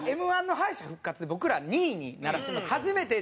Ｍ−１の敗者復活で僕ら２位にならせてもろうて。